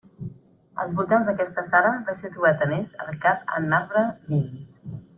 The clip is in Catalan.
Als voltants d'aquesta sala va ser trobat a més el cap en marbre d'Isis.